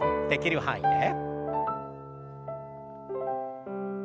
できる範囲で。